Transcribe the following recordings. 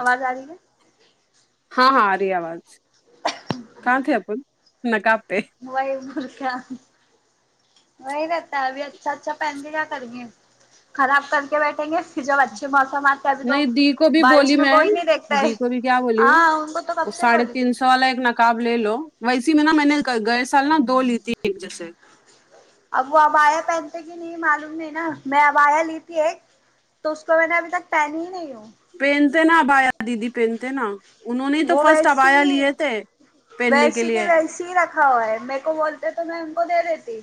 آواز آ رہی ہے ہاں ہاں اری آواز کہاں تھے اپن کپتے وہی اور کیا وہی رہتا ہے ابھی اچھا اچھا پہن کے گیا تھا خراب کر کے بیٹھیں گے پھر جب اچھے موسم آ نہیں دی کو بھی بولی میں دیکھتا ہے دی کو بھی کیا بولی ہاں ان کو تو وہ کب سے ساڑھے بولی تھی تین سو والا ایک ن کاب لے لو ویسی میں نا میں نے گئے گئے سال نا دو لی تھی ایک جیسے اب وہ ابایا پہنتے کی نہیں معلوم نہیں نا میں ابایا لی تھی ایک تو اس کو میں نے ابھی تک پہنی ہی نہیں ہوں پہنتے نا عبایا دیدی پہنتے نا انہوں نے تو وہ فرسٹ ابایا ویسی لیے تھے پہننے کے لیے ایسے رکھ ہائے میرے کو بولتے تو میں ان کو دے دیتی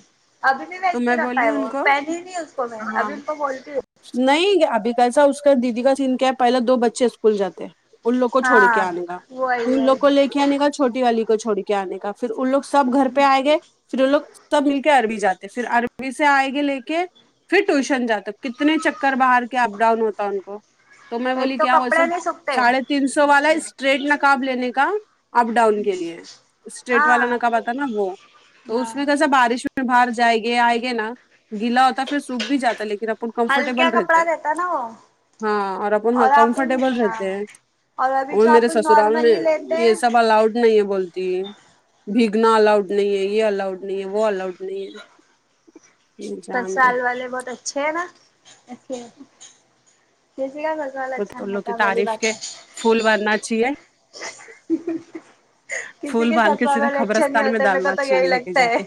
ابھی بھی تو ویسے میں ہی رکھا بولی ہے ان وہ کو پہنی ہی نہیں اس میں ہاں ابھی ان کو بولتی ہو نہیں ابھی کیسا اس کا دیدی کا سین کیا ہے پہلا دو بچے اسکول جاتے ان لوگ کو چھوڑ کے ہاں آنے کا پھر وہی ان لوگ وہی کو لے آنے کا چھوٹی والی کو چھوڑ کے آنے کا پھر ان لوگ سب گھر پہ آئے گئے پھر وہ لوگ سب مل کے عربی جاتے ہیں پھر عربی سے آئے گے لے کے پھر ٹیوشن جاتا کتنے چکر باہر کے اپ ڈاؤن ہوتا ان کو تو میں بولی کیا وسا ساڑھے تین سو والا ہے اسٹریٹ نقاب لینے کا اپ ڈاؤن کے لیے اسٹیٹ والا نقاب آتا نا وہ تو اس میں کیسا بارش باہر جائیں گے آئے گے نا گلا ہوتا پھر سوکھ بھی جاتا لیکن اب کمفرٹبل رہتے ہاں اور اب ہاں آپن کمفرٹبل ہاں رہتے ہیں اور ابھی وہ جو آپ میرے سسرال میں نارملی لیتے یہ ہیں سب الاؤڈ نہیں ہے بولتی ہے بھیگنا الاؤڈ نہیں ہے یہ الاؤڈ نہیں ہے وہ الاؤڈ نہیں ہے پر جان دے سسرال والے بہت اچھے ہیں نا کیسے ہے اسلئے بس سسرال وہ اچھا تو نہیں لوگ کی ہوتا پہلی تعریف بات کے ہے پھول بھرنا چاہیے کسی پھول باند کے سسرال سیدھا والے اچھے نہیں قبرستان میں ہوتے میرے کو ڈالنا تو یہی چاہیے لے کے لگتا جا ہے کے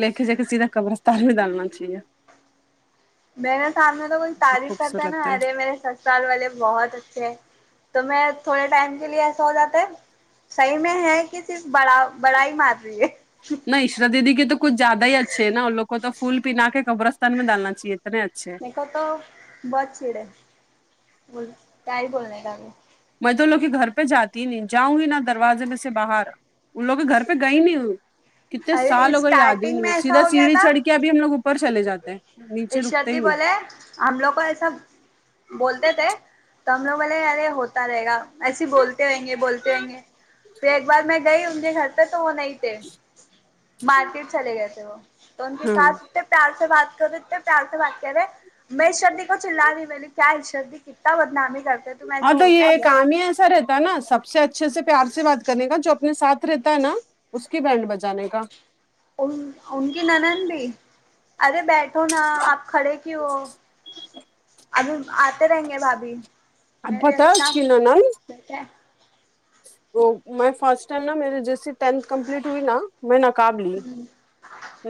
لےکے جا کے سیدھا قبرستان میں ڈالنا چاہیے میرے سامنے تو کچھ تعریف کرتا ہے نا ارے میرے س سال والے بہت اچھے ہیں تو میں تھوڑے ٹائم کے لیے ایسا ہو جاتا ہے صحیح میں ہے کہ صرف بڑا بڑا ہی مار رہی ہے نہ عشرت دیدی کے تو کچھ زیادہ ہی اچھے نا ان لوگ کو پھول پنا کے قبرستان میں ڈالنا چاہیے اتنے اچھے ہیں ایکا تو بس چڑ ہے بول کیا ہی بولنا گا میں تو لوگ کے گھر پہ جاتی ہی نہیں جاؤں گی نا دروازے میں سے باہر ان لوگ گھر پہ گئی نہیں کتنے ارے سال ہو گئے یاد ہی اسٹارٹنگ میں نہیں ایسا سیدھا ہو گیا سیڑھی تھا چڑھ کے اب بھی ہم لوگ اوپر چلے جاتے ہیں نیچے رکتے ہی عشرتی نہیں بولے ہم لوگ کو ایسا بولتے تھے تو ہم لوگ بولے یارے ہوتا رہے گا ایسے ہی بولتے ہوئیں گے بولتے ہوئیں گے پھر ایک بار میں گئی ان کے گھر پہ تو وہ نہیں تے مارکیٹ چلے گئے تھے وہ تو ان کی ہاں ساس ٹپ پیار سے بات کرو تو اتنے پیار سے بات کر رہے میں عشرت دی کو چلا دی کیا عشرت دی کیتا بدنامی کر ہاں تو یہ کام ہی ہے سر ہے نا سب سے اچھے سے پیار سے بات کرنے کا جو اپنے ساتھ رہتا ہے نا اس کی بانڈ بجانے کا ان ان کی نند بھی ارے بیھ تو نا آپ کھڑے کیوں ہو ابھی آتے رہیں گے بھابھی اب میں بھی پتا ہے اچھا اس کی نند بیٹے وہ میں فرسٹ ٹائم نا میرے جیسے ٹینتھ کمپلیٹ ہوئی نا میں نقاب لی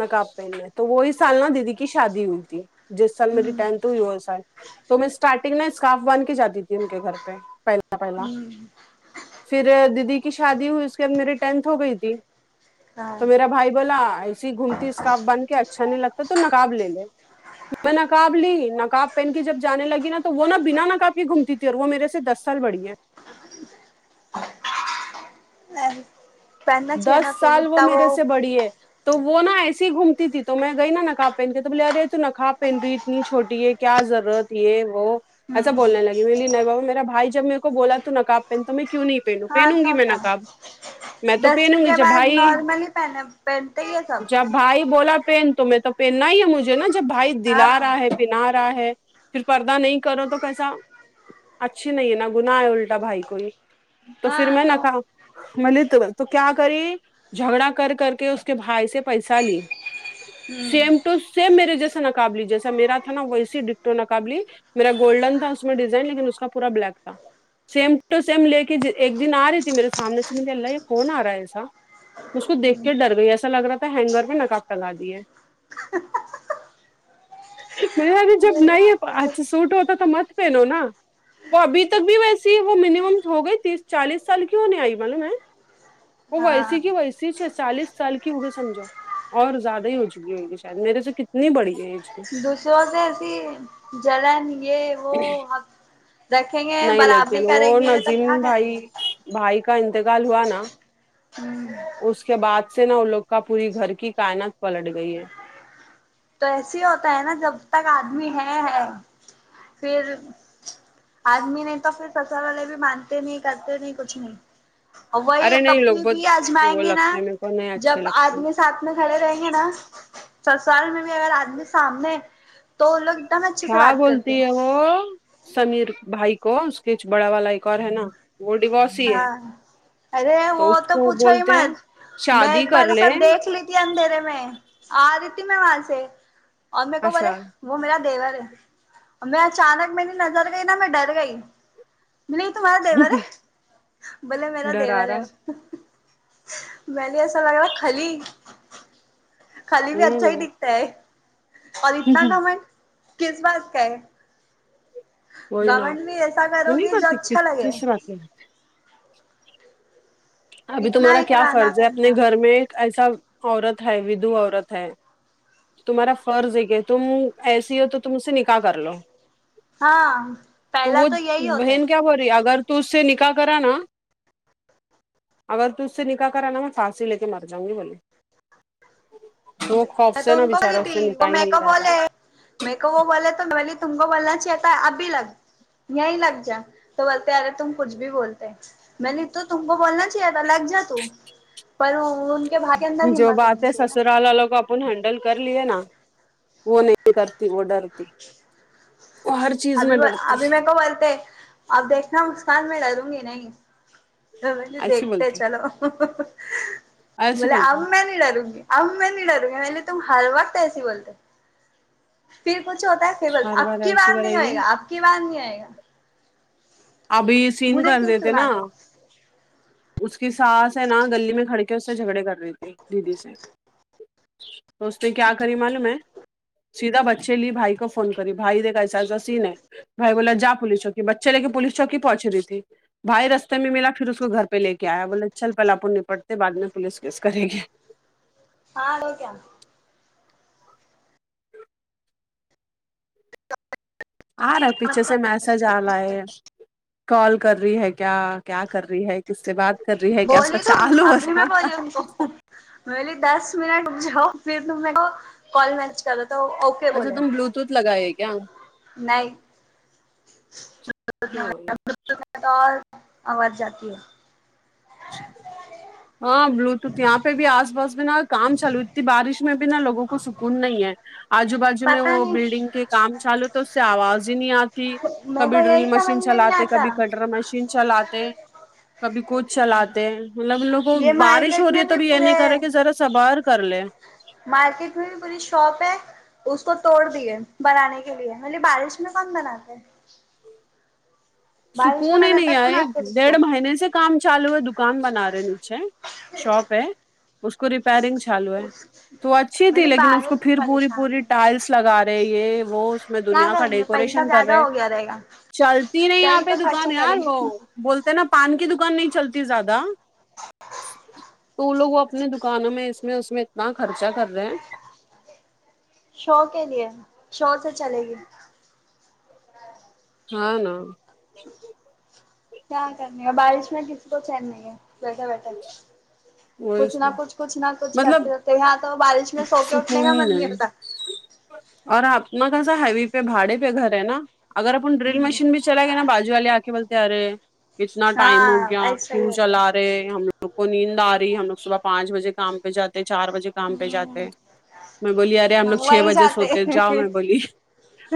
نقاب پہنا تو وہی سال نا دیدی کی شادی ہوئی تھی جس سال میری ہوں ٹینتھ ہوئی ہو سال تو میں اسٹارٹ پھر میں اسکاف باندھ کے جاتی تھی ان کے گھر پہ پہلا ہوں پہلا ہوں پھر دیدی کی شادی ہوئی اس کے بعد میری ٹینتھ ہو گئی تھی ہاں تو میرا بھائی بولا تو گھومتی اسکارف بن کے اچھا نہیں لگتا تو نقاب لے لے میں نقاب لی نقاب پہن کی جب جانے لگی نا تو وہ نا بنا نہ کافی گھومتی تھی اور وہ میرے سے دس سال بڑی ہے [inaudible] چاہیے دس نا پھر سال وہ اتنا میرے سے بڑی ہے تو وہ نا ایسے ہی گھومتی تھی تو میں گئی نا نقاب پہن کے تو بولے ارے تو نقاب پہن ری اتنی چھوٹی ہے کیا ضرورت یہ وہ ایسا ہوں بولنے لگے میں نہیں بابا میرا بھائی جب میرے کو بولا تو نقاب پہ تو میں کیوں نہیں پہنوں ہاں پہنوں تو گی میں ہوتا نکاب ہے دسویں کے بعد نارمل ہی پہنے پہنتے ہے سب جب بھائی بولا پین تمہیں تو پہننا ہی ہے مجھے نا جب بھائی دلا ہاں رہا ہے پنا رہا ہے پھر پردہ نہیں کرو تو کیسا اچھی نہیں ہے نا گناہ الٹا بھائی کوئی تو پھر میں نہ کہا ملی تو تو کیا کری جھگڑا کر کر کے اس کے بھائی سے پیسہ لی ہوں سیم توسیم میرے جیسا نقاب لی جیسا میرا تھا نا ویسی ڈٹو نقاب لی میرا گولڈن تھا اس میں ڈیزائن لیکن اس کا پورا بلیک تھا سیم ٹو سیم لے کے ایک دن آ رہی تھی میرے سامنے سے مے اللہ ہو نہ آرا ایسا اسکو کو دیکھ کے ڈر گئی ایسا لگ رہا ہینگر پہ نکاب لگا دی ہے مجے جب نہیں اچھا سوٹ ہوتا تو مت پہنو نا وہ ابھی تک بھی ویسی ہے وہ منیمم ہو گئی تیس چالیس سال کیوں نہیں آئی معلوم ہے وہ ہاں ویسی کی ویسی چالیس سال کی ہوگئے سمجھو اور زیادہ ہی ہو چکی ہوئےگی شاید میرے سے کتنی بڑی ہے ایج میں دوسروں سے ایسی جلن یہ وہ رکھیں گے نہیں برابری لیکن کریں وہ گے تو کیا نظیم کریں بھائی گے بھائی کا انتقال ہوا نا ہ اس کے بعد سے نا ان لوگ کا پوری گھر کی کائنات پلٹ گئی ہے تو ایسے ہی ہوتا ہے نا جب تک آدمی ہے ہے پھر آدمی نہیں تو پھر سسرال والے بھی مانتے نہیں کرتے نہیں کچھ نہیں وہی ارے نہیں لوگ کبھی بہت بھی آجمائیں وہ گے نا لگتے ہیں میرے کو نہیں اچھے جب لگتے آدمی ساتھ میں کھڑے رہیں گے نا سسرال میں بھی اگر آدمی سامنے تو لوگ دم اچھے سے کیا بات کرتے بولتی [unintelligible] سمیر بھائی کو اس کے ا چ بڑا والا ایک اور ہے نا وہ ڈیوورس ہی ہے ہاں ارے وہ اس تو کو پوچھو ہی بولتے ہیں مج میں شادی ایک کر باریہ لے سب دیکھ لی ت اندھیرے میں آ رہی تھی میں وہاں سے اور میکو بولے اچھا وہ میرا دیور ہے اب میں اچانک میری نظر گئی نہ میں ڈر گئی بولی یہ تمہارا دیور ہے بولے میرا ڈرا دیور رہا ہے میں نے ایسا لگا کھلی کھلی بھی اچھا ہی ہوں دکھتا ہے اور اتنا گھمنڈ کس بات کا ہے وہی نا گھمنڈ بھی ایسا وہ کرو نہیں گی جو کرتی اچھا لگے [unintelligible] ابھی اتنا تمہارا کیا اترانا فرض ہے اپنے کرنا گھر میں ایک ایسا عورت ہے ودو عورت ہے تمہارا فرض ہے کہ تم ایسی ہو تو تم اس سے نکاح کر لو ہاں تو پہلا وہ یہی ہوتا ہے بہن کیا ہو رہی اگر تو اس سے نکا ح کرا نا اگر تو اس سے نکاح کرا نا میں پھانسی لے کے مر جاؤں گی بولی میں تو انکو دی تھی وہ میک نہیں اپ کر والے رہا ہے میرے کو وہ بولے تو بلی تم کو بولنا چاہیے تھا اب بھی لگ یہیں لگ جاؤ تو بولتے ارے تم کچھ بھی بولتے میں نے تو تم کو بولنا چاہیے تھا لگ جا تو پراو او ان کے بھائی کے اندر جو ہمت ہونی باتیں چاہیے نا سسرال والو کو اب ان ہینڈل کر لیے نا وہ نہیں کرتی وہ ڈرتی وہ ہر چیز میں ابھی م ڈرتی ابھی میں کو بولتے اب دیکھنا مسکان میں ڈروں گی نہیں تو میں بولی ایسی دیکھتے بولتی چلو ایسی بولے بولتی اب میں نہیں ڈروں گی اب میں نہیں ڈروں گی میں بولی تم ہر وقت ایسی بولتے پھر کچھ ہوتا ہے پھر بول ہر اب کی ایسی بار کرے نہیں ہوئے گی گا اب کی بار نہیں آئے گا ابھی سین مجھے کر کس سے دیتے با نا ت ہے اس کی ساس ہے نا گلی میں کھڑ کے اس سے جھگڑے کر رہی تھی دیدی سے تو اس نے کیا کری معلوم ہے سیدھا بچے لی بھائی کو فون کری بھائی دیکھ ایسا ایسا سین ہے بھائی بولا جا پولیس س بچے لے کے پولیس چوکی پہنچ رہی تھی بھائی رستے میں ملا پھر اس کو گھر پ پہ لے کے آیا بولے چل پہلے اپن نپٹتے ہیں بعد میں پولیس کیس کریں گے ہارڈ ہوگیا آ رہا ہے پیچھے سے میسج آ لا ہے کال کر رہی ہے کیا کیا کر رہی ہے کس سے بات کر رہی ہے کیا اس کا بولی تو چالوں ہو ابھی جا [inaudible] میں بو لی دس منٹ رک جاؤ پھر تم میکو کال میچ کرو تو اوکے اچھا بولے تم بلوتوتھ لگائے کیا نہیں اس ہاں میں تو اور آواز جاتی ہے ہاں بلوتوتھ یہاں پہ بھی آس پاس میں نا کام چالو اتنی بارش میں بھی نا لوگوں کو سکون نہیں ہے آجو بازو میں پتا وہ نہیں بلڈنگ کے کام چالو تو اس سے آواز ہی نہیں آ تی میرے کو کبھی ڈرل یہی سمجھ مشین میں نہیں چلاتے آتا کبھی کٹر مشین چلاتے کبھی کچھ چلاتے مطلب ان لوگ کو یہ بارش ہو مارکیٹ رہی ہے میں تو بھی یہ پورے نہیں کر رہے کہ ذرا صبر کر لے مارکیٹ میں بھی پوری شاپ ہے اس کو توڑ دیے بنانے کے لیے میں بولے بارش میں کون بناتے ہے بارش میں سکون ہی بناتا نہیں کون آئے آخر اس کو ڈیڑھ مہینے سے کام چالو ہے دکان بنا رہے نیچے شاپ ہے اس کو ریپیرنگ چالو ہے تو اچھی تھی بولے لیکن اس کو بارش پھر پوری پریشان پوری ہے ٹائلس لگا رہے یہ وہ اس میں کیا دنیا کا کریں گے پیسہ ڈیکوریشن کر زیادہ رہے ہو گیا رہے گا چلتی نہیں یہاں صحیح پہ تو خرچہ دکان یار کریں وہ گے بولتے نا پان کی دکان نہیں چلتی زیادہ تو وہ لوگ وہ اپنے دکانوں میں اس میں اس میں اتنا خرچہ کر رہے ہیں شو کے لیے شو سے چلے گی ہاں نہ کیا کرنی ہے بارش میں کسی کو چین نہیں ہے بیٹھے بیٹھے وہی کچھ نہ سب، کچھ کچھ نہ کچھ کرتے مطلب ہوتے یہاں تو بارش میں سوکے اٹھنے کا سکون ہی من نہیں ملتا ہے اور اپنا کیسا ہیوی پہ بھاڑے پہ گھر ہے نا اگر اپن ڈرل مشین بھی چلا گیا نا باجو والے آ کے بولتے آ رہے اتنا ٹائم ہو ہاں گیا ایسا ہی کیوں ہوتا چلا ہے رہے ہم لوگ کو نیند آ رہی ہم لوگ صبح پانچ بجے کام پہ جاتے چار بجے کام پہ جاتے ہ ہیں میں بولی ارے ہم لوگ چھ وہی بجے سو جاتے تے جاؤ میں بولی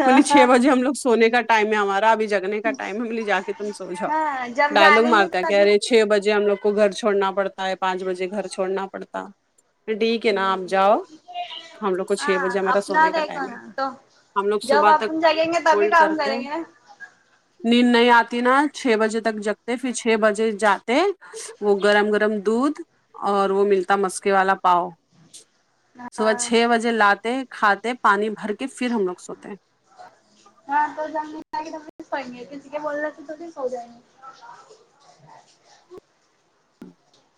میں بولے چھ بجے ہم لوگ سونے کا ٹائم ہے ہمارا اب جگنے کا ٹائم ہے ہم بولا جا کے تم سو جاؤ ہاں جب ڈائلگ جاگیں گے مارتا ہے کہ تبھی ارے چھ بجے ہم لوگ کو گھر چھوڑنا پڑتا ہے پانچ بجے گھر چھوڑنا پڑتا ٹھیک ہے نا آپ جاؤ ہم لوگ کو چھ بجے ہاں ہمارا اپنا سونے کا دیکھو ٹائم نا تو ہے ہم لوگ جب صبح تک اپن جگیں گے تبھی ہولڈ کام کرتے ہیں کریں گے نا نیند نہیں آتی نا چھ بجے تک جگتے پھر چھ بجے جاتے وہ گرم گرم دودھ اور وہ ملتا مسکے والا پاؤ صبح ہاں چھ بجے لاتے کھاتے پانی بھر کے پھر ہم لوگ سوتے ہے ہاں تو جب نیند اے تبھی سو گئے کسی کا بولنے سے تھوڑی سو جائیں گے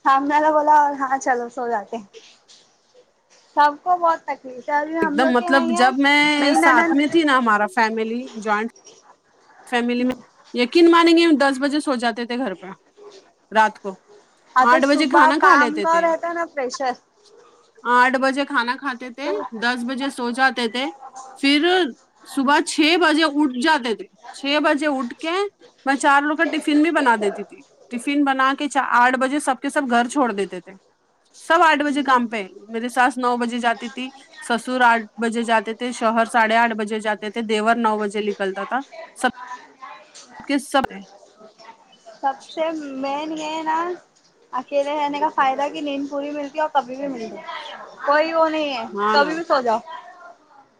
سامنے والا بولا اور ہاں چلو سو جاتے سب کو بہت تکلیف ہے ابھی ایک ہم دم لوگ کے مطلب وہیں ہے جب میں میری ساتھ میں نند تھی نا ہمارا فیملی جوائنٹ فیملی میں یقین مانیں گے ہم دس بجے سو جاتے تھے گھر پہ رات کو ہاں تو آٹھ بجے صبح کھانا کھا کام لیتے کا تھے رہتا ہے نا پریشر آٹھ بجے کھانا کھاتے تھے تو دس بجے سو جاتے تھے پھر صبح چھ بجے اٹھ جاتے تھے چھ بجے اٹھ کے میں چار لوگ کا ٹفن بھی بنا دیتی تھی ٹفن بنا کے آٹھ بجے سب کے سب گھر چھوڑ دیتے تھے سب آٹھ بجے کام پہ میری ساس نو بجے جاتی تھی سسر آٹھ بجے جاتے تھے شوہر ساڑھے آٹھ بجے جاتے تھے دیور نو بجے نکلتا تھا کس سمے سب سے مین یہ نا اکیلے رہنے کا فائدہ کہ نیند پوری ملتی ہے اور کبھی بھی مل گی کوئی وہ نہیں ہے ہاں نا کبھی بھی سوجاؤ